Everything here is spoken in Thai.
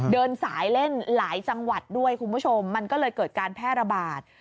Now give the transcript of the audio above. เดินสายเล่นหลายจังหวัดด้วยคุณผู้ชมมันก็เลยเกิดการแพร่ระบาด